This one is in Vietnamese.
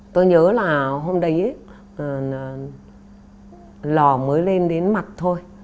tôi nhớ là hôm đấy lò mới lên đến mặt thôi